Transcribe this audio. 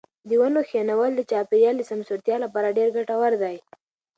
د ونو کښېنول د چاپیریال د سمسورتیا لپاره ډېر ګټور دي.